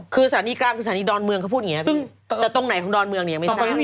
คือสถานีกลางสถานีดอนเมืองเขาพูดอย่างนี้